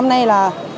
năm nay là